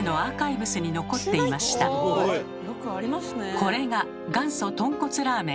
これが元祖とんこつラーメン。